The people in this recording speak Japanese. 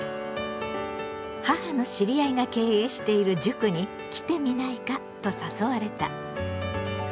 母の知り合いが経営している塾に来てみないかと誘われた。